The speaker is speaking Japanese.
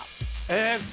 え